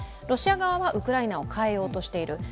ロシア側はウクライナを変えようとしている。